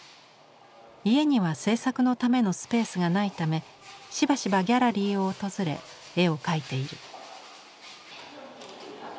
家には制作のためのスペースがないためしばしばギャラリーを訪れ絵を描いている。